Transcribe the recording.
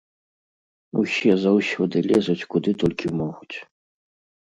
Усе заўсёды лезуць, куды толькі могуць.